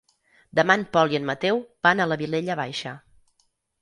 Demà en Pol i en Mateu van a la Vilella Baixa.